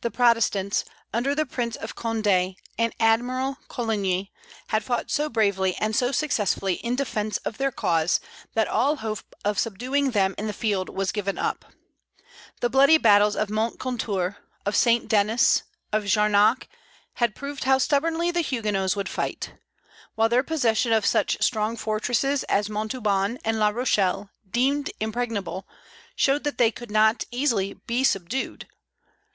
The Protestants, under the Prince of Condé and Admiral Coligny, had fought so bravely and so successfully in defence of their cause that all hope of subduing them in the field was given up. The bloody battles of Montcontour, of St. Denis, and of Jarnac had proved how stubbornly the Huguenots would fight; while their possession of such strong fortresses as Montauban and La Rochelle, deemed impregnable, showed that they could not easily be subdued.